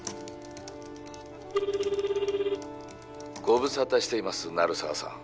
ご無沙汰しています鳴沢さん